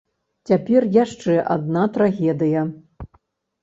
Цяпер яшчэ адна трагедыя.